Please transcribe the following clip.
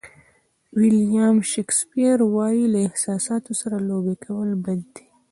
ویلیام شکسپیر وایي له احساساتو سره لوبې کول بد دي.